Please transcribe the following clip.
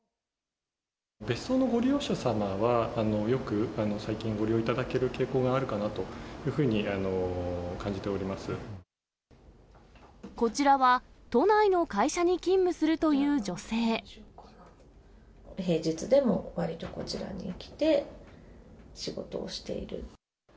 別荘のご利用者様は、よく最近ご利用いただける傾向があるかなというふうに感じておりこちらは、都内の会社に勤務平日でも、わりとこちらに来て仕事をしている。